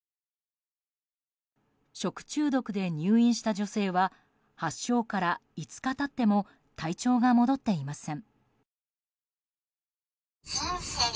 食中毒で入院した女性は発症から５日経っても体調が戻っていません。